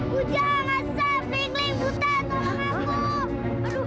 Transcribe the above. hujan asap ling ling buta tolong aku aduh